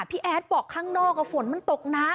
พี่แอดบอกข้างนอกอะฝนมันตกนัก